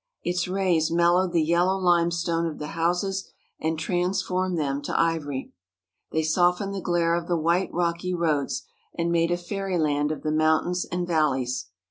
Its rays mel lowed the yellow limestone of the houses and transformed them to ivory. They softened the glare of the white, rocky roads, and made a fairyland of the mountains and valleys.